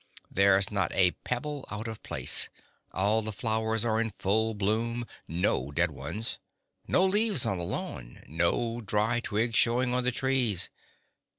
There's not a pebble out of place; all the flowers are in full bloom; no dead ones. No leaves on the lawn; no dry twigs showing on the trees.